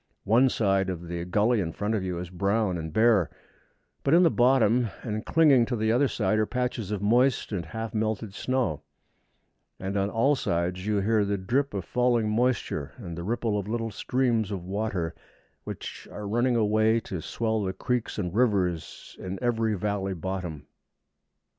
One side of the gully in front of you is brown and bare, but in the bottom, and clinging to the other side, are patches of moist and half melted snow, and on all sides you hear the drip of falling moisture and the ripple of little streams of water which are running away to swell the creeks and rivers in every valley bottom.